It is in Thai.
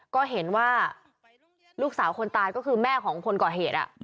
ก็เห็นว่าลูกสาวคนตายก็คือแม่ของคนก่อเหตุ